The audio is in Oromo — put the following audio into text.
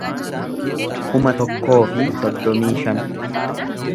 kuma tokkoo fi soddomii shan